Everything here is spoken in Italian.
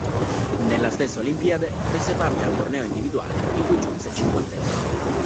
Nella stessa Olimpiade, prese parte al torneo individuale, in cui giunse cinquantesimo.